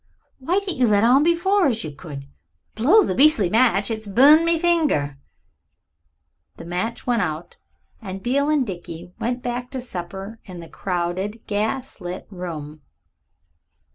Why didn't you let on before as you could? Blow the beastly match! It's burned me finger." The match went out and Beale and Dickie went back to supper in the crowded, gas lit room.